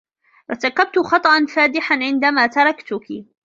ارتكبتُ خطأ فادحا عندما تركتُكِ.